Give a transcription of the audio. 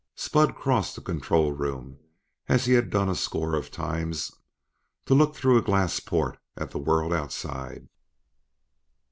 Spud crossed the control room as he had done a score of times to look through a glass port at the world outside.